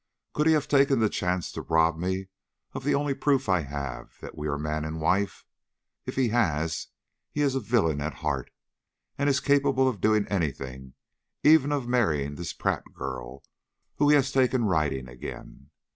Could he have taken the chance to rob me of the only proof I have that we are man and wife? If he has he is a villain at heart, and is capable of doing any thing, even of marrying this Pratt girl who he has taken riding again.